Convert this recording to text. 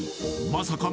まさか